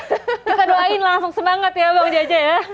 kita doain langsung semangat ya bang jaja ya